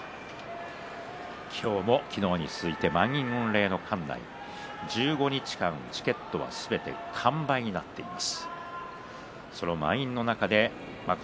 今日も昨日に続いて満員御礼の館内１５日間のチケットはすべて完売となっています。